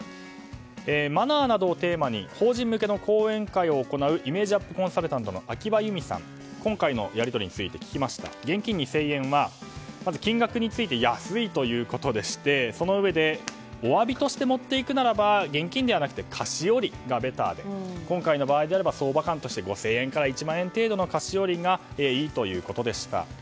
マナーなどをテーマに法人向けの講演会を行うイメージアップコンサルタントの秋葉優美さんによると今回のやり取りについて現金２０００円は金額について安いということでしてそのうえでお詫びとして持っていくならば現金ではなく菓子折りがベターで今回の場合であれば相場として５０００円から１万円からくらいの菓子折りがいいということでした。